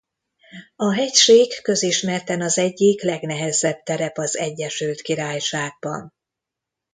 A hegység közismerten az egyik legnehezebb terep az Egyesült Királyságban.